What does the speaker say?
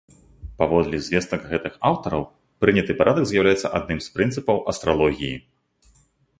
Паводле звестак гэтых аўтараў, прыняты парадак з'яўляецца адным з прынцыпаў астралогіі.